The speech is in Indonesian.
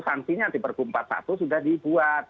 sanksinya di pergub empat puluh satu sudah dibuat